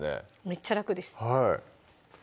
めっちゃ楽です